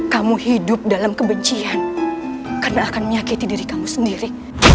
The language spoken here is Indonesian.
kamu hidup dalam kebencian karena akan menyakiti diri kamu sendiri